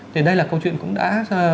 thì đây là câu chuyện cũng đã